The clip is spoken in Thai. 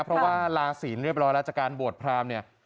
เพราะว่าลาศีลเรียบร้อยแล้วจากการบวชพรามเนี่ย